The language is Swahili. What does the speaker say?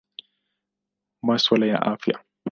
Masuala ya Afya.